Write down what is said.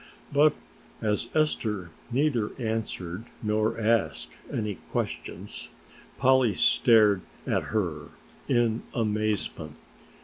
But as Esther neither answered nor asked any questions Polly stared at her in amazement.